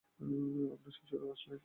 আপনার শ্বশুর আসবেন।